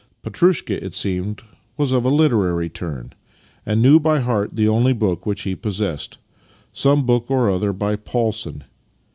'" Petrushka, it seemed, was of a literary turn, and knew by heart the only book which he possessed — some book or other by Paulson.